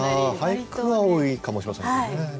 俳句は多いかもしれませんね。